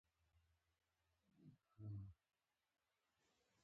بوټونه د سپورټ لپاره بېلابېل نومونه لري.